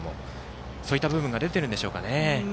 そういった部分が出てるんでしょうかね。